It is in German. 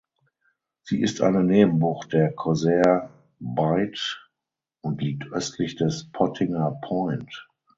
Sie ist eine Nebenbucht der Corsair Bight und liegt östlich des Pottinger Point.